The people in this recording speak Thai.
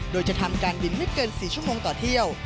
โดยจะทำการบินไม่เกิน๔ชั่วโมงต่อเที่ยว